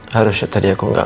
harusnya tadi aku gak ngerti